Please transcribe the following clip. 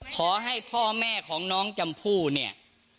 ขอให้พ่อแม่ของน้องชมพู่เนี่ย